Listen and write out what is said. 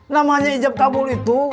namanya ijab kabul itu